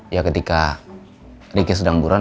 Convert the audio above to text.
ya ketika ricky sedang buruan